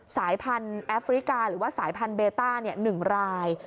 สายพันธุ์แอฟริกาหรือว่าสายพันธุเบต้า๑ราย